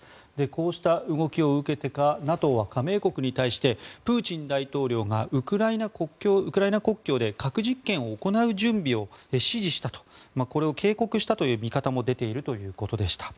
こうした動きを受けてかＮＡＴＯは加盟国に対してプーチン大統領がウクライナ国境で核実験を行う準備を指示したとこれを警告したという見方も出ているということでした。